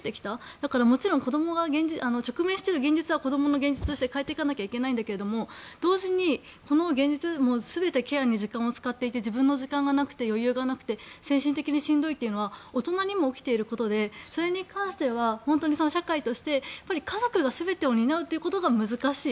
だから子どもが直面している現実は現実として変えていかなきゃいけないんだけど同時にすべてケアに使っていて自分の時間がなくて余裕がなくて精神的にしんどいというのは大人にも起きていることでそれに関しては社会として家族が全てを担うことが難しい。